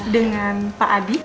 dengan pak adi